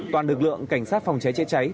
toàn lực lượng cảnh sát phòng cháy cháy cháy